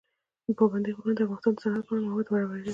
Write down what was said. پابندی غرونه د افغانستان د صنعت لپاره مواد برابروي.